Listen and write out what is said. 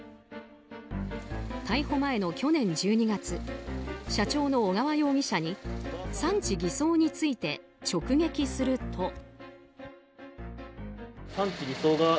逮捕前の去年１２月社長の小川容疑者に産地偽装について直撃すると。